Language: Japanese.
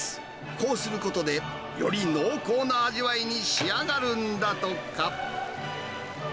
こうすることで、より濃厚な味わいに仕上がるんだとか。